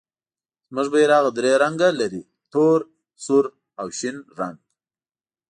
زموږ بیرغ درې رنګه لري، تور، سور او شین رنګ.